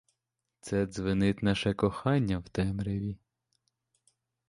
Це дзвенить наше кохання в темряві.